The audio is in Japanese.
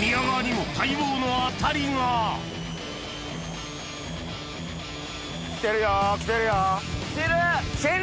宮川にも待望の当たりが来てるよ来てるよ。来てる！